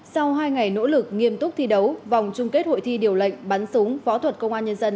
sau hai ngày nỗ lực nghiêm túc thi đấu vòng chung kết hội thi điều lệnh bắn súng võ thuật công an nhân dân